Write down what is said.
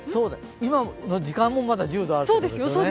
今の時間もまだ１０度あるということですよね。